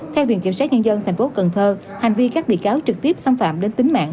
theo viện kiểm soát nhân dân thành phố cần thơ hành vi các bị cáo trực tiếp xâm phạm đến tính mạng